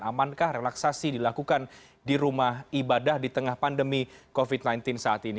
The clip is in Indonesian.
amankah relaksasi dilakukan di rumah ibadah di tengah pandemi covid sembilan belas saat ini